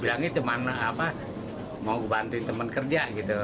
bilangnya teman mau bantu teman kerja gitu